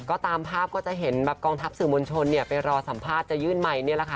ก็ตามภาพก็จะเห็นกองทัพสื่อมวลชนไปรอสัมภาษณ์จะยื่นใหม่เลยค่ะ